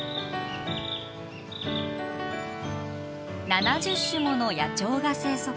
７０種もの野鳥が生息。